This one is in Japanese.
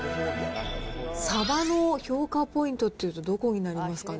サバの評価ポイントというとどこになりますかね。